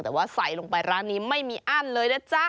แต่ว่าใส่ลงไปร้านนี้ไม่มีอั้นเลยนะจ๊ะ